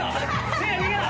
せいや逃げろ。